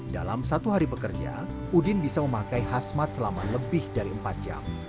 dalam satu hari bekerja udin bisa memakai khasmat selama lebih dari empat jam